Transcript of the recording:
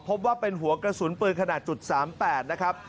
พบว่าเป็นหัวกระสุนปืนขนาด๓๘นะครับ